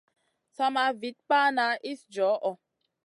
Sama Vit pana iss djoho.